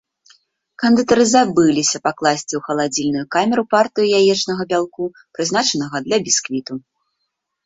Кандытары забыліся пакласці ў халадзільную камеру партыю яечнага бялку, прызначанага для бісквіту.